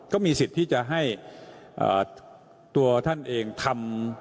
ก็มีสิทธิ์ที่จะให้ตัวท่านเองทำ